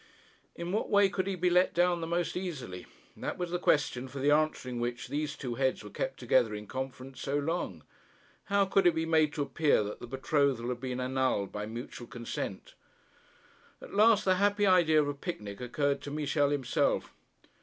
In what way could he be let down the most easily? That was the question for the answering which these two heads were kept together in conference so long. How could it be made to appear that the betrothal had been annulled by mutual consent? At last the happy idea of a picnic occurred to Michel himself.